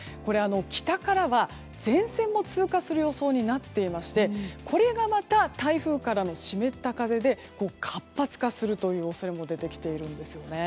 北からは前線も通過する予想になっていてこれがまた台風からの湿った風で活発化するという恐れも出てきているんですよね。